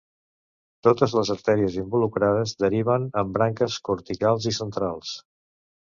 Totes les artèries involucrades deriven en branques corticals i centrals.